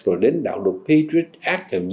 rồi đến đạo luật patriot act